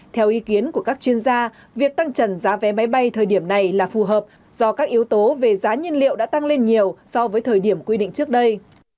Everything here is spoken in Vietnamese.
theo ý kiến của các chuyên gia việc tăng trần giá vé máy bay thời điểm này là phù hợp do các yếu tố về giá nhiên liệu đã tăng lên nhiều so với thời điểm quy định trước đây